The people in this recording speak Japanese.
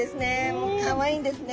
もうかわいいんですね。